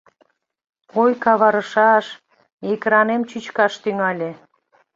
— Ой, каварышаш, экранем чӱчкаш тӱҥале.